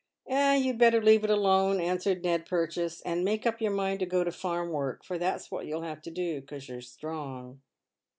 " You'd better leave it alone," answered Ned Purchase, " and make up your mind to go to farm work, for that's what you'll have to do, 'cause you're strong."